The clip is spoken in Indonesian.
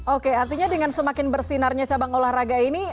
oke artinya dengan semakin bersinarnya cabang olahraga ini